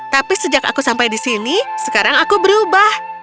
tapi sejak aku sampai di sini sekarang aku berubah